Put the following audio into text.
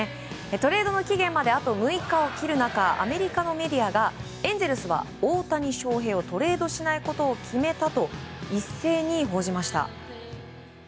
トレードの期限まであと６日を切る中アメリカのメディアがエンゼルスは大谷翔平をトレードしないことを決めたと一斉に報じました。